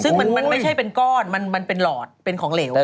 ซึ่งมันไม่ใช่เป็นก้อนมันเป็นหลอดเป็นของเหลว